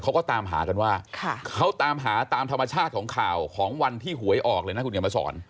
เขาก็ตามหากันว่าเขาตามหาตามธรรมชาติของข่าวของวันที่หวยออกเลยนะคุณเขียนมาสอน